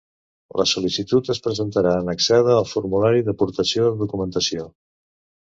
La sol·licitud es presentarà annexada al formulari d'aportació de documentació.